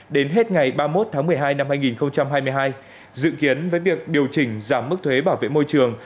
đến hết ngày ba mươi một tháng một mươi hai năm hai nghìn hai mươi hai dự kiến với việc điều chỉnh giảm mức thuế bảo vệ môi trường